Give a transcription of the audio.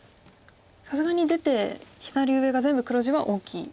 さすがに出て左上が全部黒地は大きい。